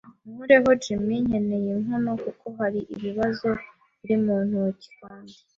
nkureho, Jim ”. “Nkeneye inkono, kuko hari ibibazo biri mu ntoki. Kandi